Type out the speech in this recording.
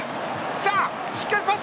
さあ、しっかりパス！